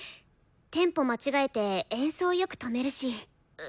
テンポ間違えて演奏よく止めるし。